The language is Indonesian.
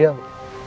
selamat siang pak